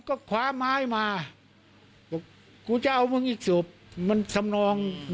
โอ้โห